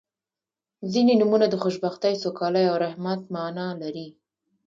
• ځینې نومونه د خوشبختۍ، سوکالۍ او رحمت معنا لري.